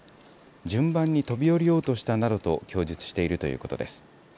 順番に飛び降りようとしたなどと供述しているということです。